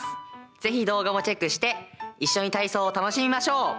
ぜひ動画をチェックして一緒に体操を楽しみましょう。